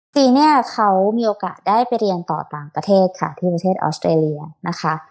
จีนเนี่ยเขามีโอกาสได้ไปเรียนต่อต่างประเทศค่ะที่ประเทศออสเตรเลียนะคะ